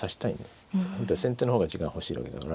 先手の方が時間欲しいわけだから。